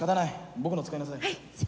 僕のを使いなさい。